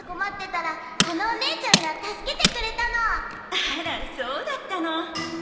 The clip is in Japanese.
あらそうだったの。